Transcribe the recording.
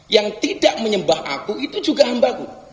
yang tidak menyembah aku itu juga hambaku